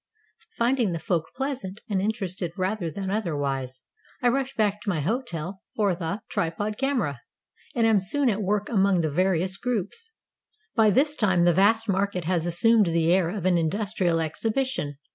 Finding the folk pleasant and interested rather than otherwise, I rush back to my hotel for the 334 THE GREAT MARKET OF TRIPOLI tripod camera, and am soon at work among the various groups. By this time the vast market has assumed the air of an industrial exhibition.